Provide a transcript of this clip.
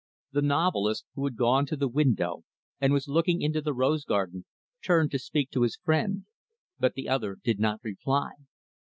The novelist who had gone to the window and was looking into the rose garden turned to speak to his friend; but the other did not reply.